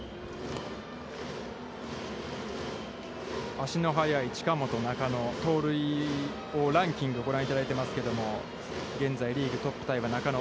足の速い近本、中野、盗塁を、ランキングをご覧いただいていますけれども現在リーグトップタイは中野。